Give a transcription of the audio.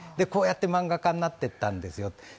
こうやって漫画家になっていったんですよと。